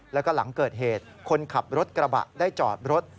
แล้วก็หลังเกิดเหตุคนขับรถกระบะได้จอดรถ